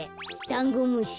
だんごむし。